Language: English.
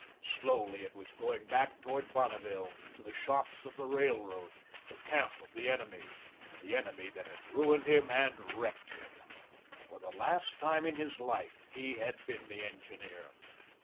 Slowly it was going back towards Bonneville, to the shops of the Railroad, the camp of the enemy, that enemy that had ruined him and wrecked him. For the last time in his life, he had been the engineer.